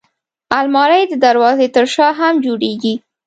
الماري د دروازې تر شا هم جوړېږي